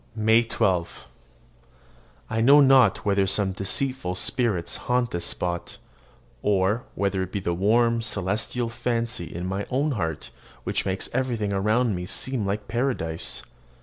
MAY 12. I know not whether some deceitful spirits haunt this spot, or whether it be the warm, celestial fancy in my own heart which makes everything around me seem like paradise.